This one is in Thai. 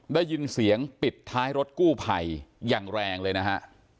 ได้ยินเสียงปิดท้ายรถกู้ภัยอย่างแรงเลยนะฮะ